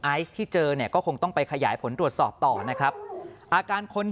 ไอซ์ที่เจอเนี่ยก็คงต้องไปขยายผลตรวจสอบต่อนะครับอาการคน